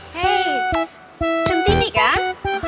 hei cantik nih kan